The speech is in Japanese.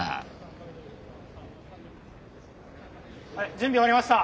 準備終わりました！